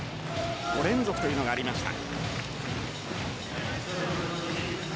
５連続というのがありました。